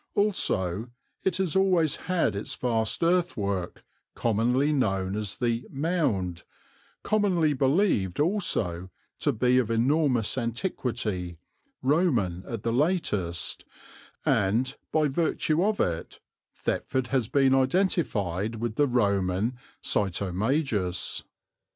Also it has always had its vast earthwork, commonly known as the "mound," commonly believed also to be of enormous antiquity, Roman at the latest, and by virtue of it Thetford has been identified with the Roman Sitomagus.